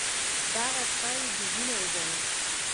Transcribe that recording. دغه سپی یې بې دینه وباله.